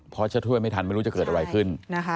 เพราะถ้าช่วยไม่ทันไม่รู้จะเกิดอะไรขึ้น